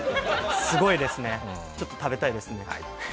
すごいですね、ちょっと食べたいですね。